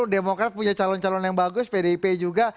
demokrat punya calon calon yang bagus pdip juga